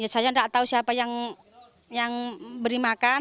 saya tidak tahu siapa yang beri makan